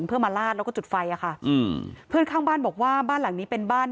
เพื่อมาลาดแล้วก็จุดไฟอ่ะค่ะอืมเพื่อนข้างบ้านบอกว่าบ้านหลังนี้เป็นบ้าน